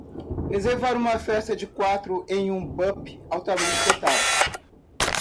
reservar uma festa de quatro em um pub altamente cotado